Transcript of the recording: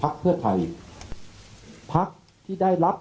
และการแสดงสมบัติของแคนดิเดตนายกนะครับ